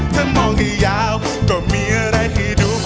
ถ้ามองให้ยาวจนมีอะไรให้ดู